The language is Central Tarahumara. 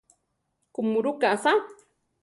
Kuʼmurúka asá!